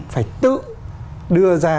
phải tự đưa ra